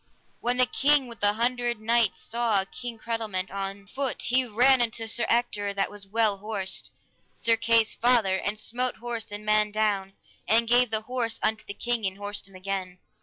When the King with the Hundred Knights saw King Cradelment on foot, he ran unto Sir Ector, that was well horsed, Sir Kay's father, and smote horse and man down, and gave the horse unto the king, and horsed him again.